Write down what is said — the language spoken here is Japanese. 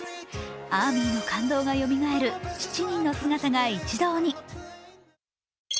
ＡＲＭＹの感動がよみがえる７人の姿が一堂に。